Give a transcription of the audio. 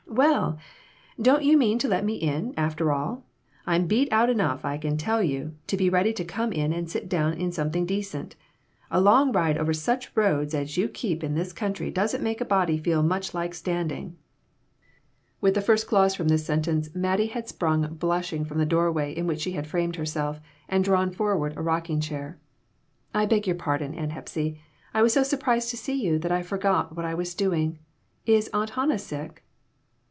"Well, don't you mean to let me in, after all? I'm beat out enough, I can tell you, to be ready to come in and sit down in something decent. A Jong ride over such roads as you keep in this country doesn't make a body feel much like standing." With the first clause in this sentence Mattie A SMOKY ATMOSPHERE. 8 1 had sprung blushing from the door way in which she had framed herself and drawn forward a rocking chair. " I beg your pardon, Aunt Hepsy, I was so sur prised to see you that I forgot what I was doing. Is Aunt Hannah sick